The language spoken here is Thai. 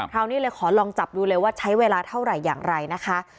คราวนี้เลยขอลองจับดูเลยว่าใช้เวลาเท่าไหร่อย่างไรนะคะ